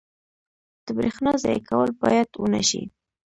• د برېښنا ضایع کول باید ونه شي.